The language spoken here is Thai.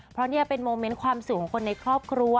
เพราะนี่เป็นโมเมนต์ความสุขของคนในครอบครัว